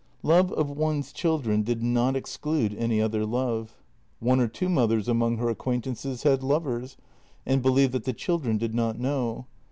Love of one's children did not exclude any other love; one or tw T o mothers among her acquaintances had lovers, and be lieved that the children did not know.